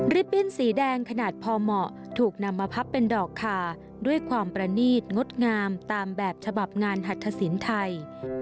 ปิ้นสีแดงขนาดพอเหมาะถูกนำมาพับเป็นดอกคาด้วยความประนีตงดงามตามแบบฉบับงานหัตถสินไทย